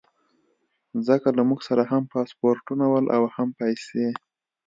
ځکه له موږ سره هم پاسپورټونه ول او هم پیسې.